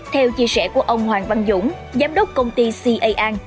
theo chia sẻ của ông hoàng văn dũng giám đốc công ty caa